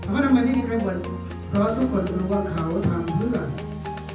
เพราะว่าน้องมันไม่มีใครบ่นเพราะทุกคนรู้ว่าเขาทำเพื่อ